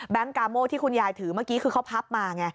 กาโม่ที่คุณยายถือเมื่อกี้คือเขาพับมาไง